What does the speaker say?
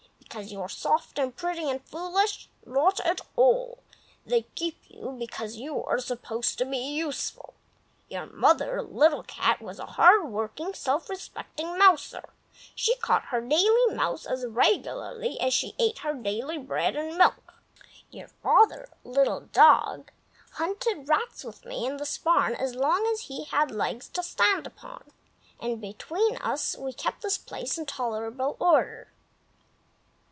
Because you are soft and pretty and foolish? Not at all! They keep you because you are supposed to be useful. Your mother, Little Cat, was a hard working, self respecting mouser, who caught her daily mouse as regularly as she ate her daily bread and milk. Your father, Little Dog, hunted rats with me in this barn as long as he had legs to stand upon, and between us we kept the place in tolerable order.